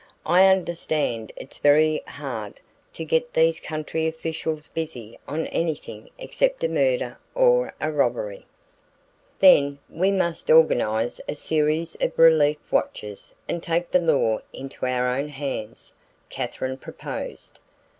"I understand it's very hard to get these country officials busy on anything except a murder or a robbery." "Then we must organize a series of relief watches and take the law into our own hands," Katherine proposed.